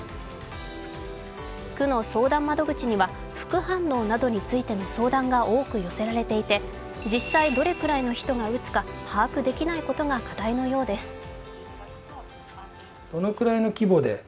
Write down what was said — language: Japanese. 区の相談窓口には副反応などについての相談が多く寄せられていて実際どれくらいの人が打つか把握できないことが課題のようです。